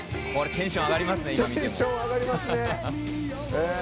これテンション上がりますね